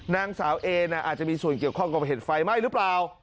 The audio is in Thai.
นางสาวเออาจจะมีส่วนเกี่ยวข้องกับเหตุไฟไหม้หรือเปล่า